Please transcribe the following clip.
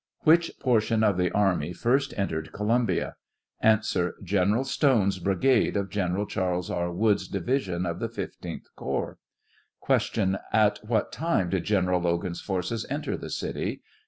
Which portion of the army first entered Columbia ? 47 A. General Stone's brigade of General Charles E. Wood's division of the 15th corps. Q. At what time did General Logan's forces enter the city